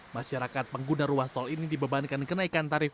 masyarakat pengguna ruas tol ini dibebankan kenaikan tarif